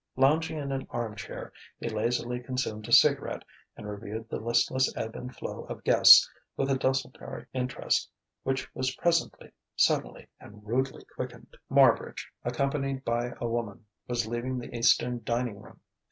Lounging in an arm chair, he lazily consumed a cigarette and reviewed the listless ebb and flow of guests with a desultory interest which was presently, suddenly, and rudely quickened. Marbridge, accompanied by a woman, was leaving the eastern dining room.